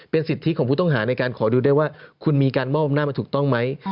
สิทธิของผู้ต้องหาในการขอดูได้ว่าคุณมีการมอบอำนาจมาถูกต้องไหม